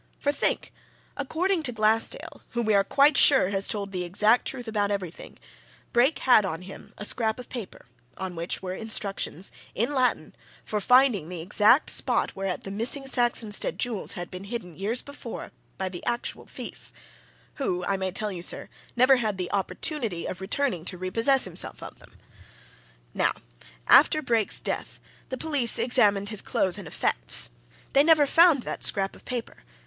For, think! according to Glassdale, who, we are quite sure, has told the exact truth about everything, Brake had on him a scrap of paper, on which were instructions, in Latin, for finding the exact spot whereat the missing Saxonsteade jewels had been hidden, years before, by the actual thief who, I may tell you, sir, never had the opportunity of returning to re possess himself of them. Now, after Brake's death, the police examined his clothes and effects they never found that scrap of paper!